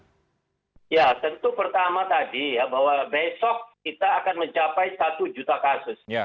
ya tentu pertama tadi ya bahwa besok kita akan mencapai satu juta kasus